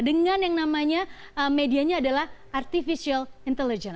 dengan yang namanya medianya adalah artificial intelligence